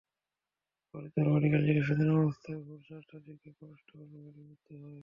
ফরিদপুর মেডিকেলে চিকিৎসাধীন অবস্থায় ভোর চারটার দিকে কনস্টেবল রুবেলের মৃত্যু হয়।